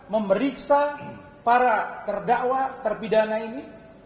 memeriksa para terdakwa terpidana ini